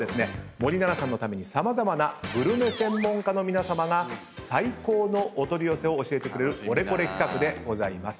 森七菜さんのために様々なグルメ専門家の皆さまが最高のお取り寄せを教えてくれるオレコレ企画でございます。